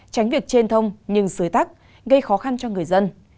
tránh việc trên thông nhưng sới tắc gây khó khăn cho người dân